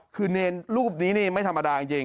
คือเนรรูปนี้นี่ไม่ธรรมดาจริง